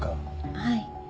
はい。